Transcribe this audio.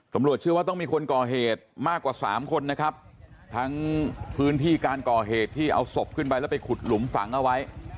ตำรวจเชื่อว่าต้องมีคนก่อเหตุมากกว่าสามคนนะครับทั้งพื้นที่การก่อเหตุที่เอาศพขึ้นไปแล้วไปขุดหลุมฝังเอาไว้